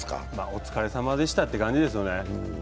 お疲れ様でしたって感じですよね。